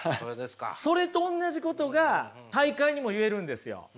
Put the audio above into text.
それと同じことが大会にも言えるんですよ。